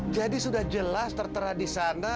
jadi sudah jelas tertera disana